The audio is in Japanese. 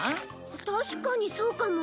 確かにそうかも。